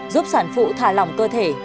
giúp sản phụ thả lỏng cơ thể